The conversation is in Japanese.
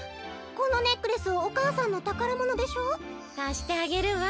このネックレスお母さんのたからものでしょ？かしてあげるわ。